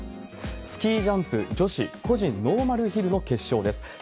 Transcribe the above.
スキージャンプ女子個人ノーマルヒルの決勝です。